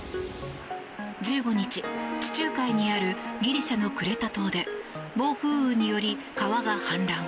１５日、地中海にあるギリシャのクレタ島で暴風雨により、川が氾濫。